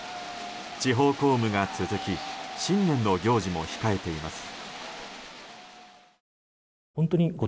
地方公務が続き新年の行事も控えています。